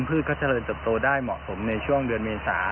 พืชก็เจริญเติบโตได้เหมาะสมในช่วงเดือนเมษา